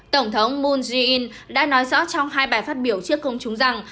tổng thống moon jae in đã nói rõ trong hai bài phát biểu trước công chúng rằng